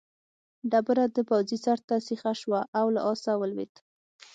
ډبره د پوځي سر ته سیخه شوه او له آسه ولوېد.